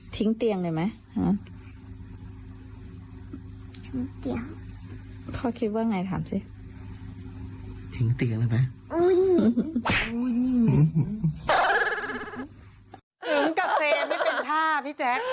ถึงกับเซฟด้วยเป็นท่าพี่แจก